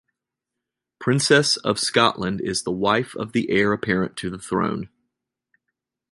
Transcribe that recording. Princess of Scotland is the wife of the heir apparent to the throne.